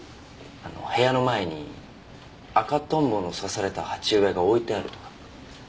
あの部屋の前に赤トンボの挿された鉢植えが置いてあるとか。